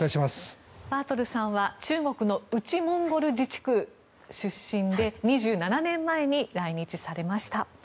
バートルさんは中国の内モンゴル自治区出身で２７年前に来日されました。